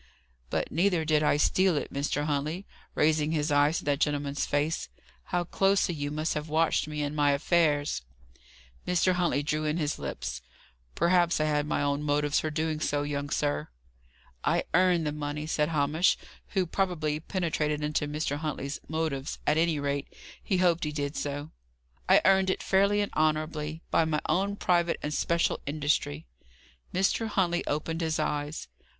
"But neither did I steal it. Mr. Huntley" raising his eyes to that gentleman's face "how closely you must have watched me and my affairs!" Mr. Huntley drew in his lips. "Perhaps I had my own motives for doing so, young sir." "I earned the money," said Hamish, who probably penetrated into Mr. Huntley's "motives;" at any rate, he hoped he did so. "I earned it fairly and honourably, by my own private and special industry." Mr. Huntley opened his eyes.